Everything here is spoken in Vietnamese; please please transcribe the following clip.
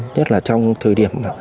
nhất là trong thời điểm